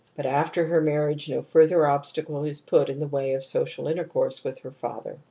But after her marriage no further obstacle is put in the way of her social inter course with her father ^*.